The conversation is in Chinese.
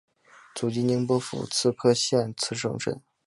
祖籍宁波府慈溪县慈城镇。